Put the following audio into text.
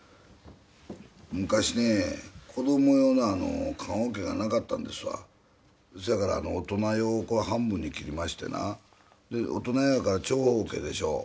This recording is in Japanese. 昔ね子ども用の棺おけがなかったんですわそやから大人用をこう半分に切りましてなで大人用だから長方形でしょ